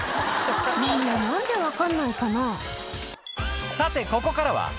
みんな何で分かんないかな？